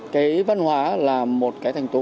cái văn hóa là một cái thành tố